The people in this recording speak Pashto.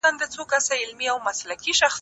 دا تفسير د انسان د ذهن د پرمختګ لپاره اړين دی.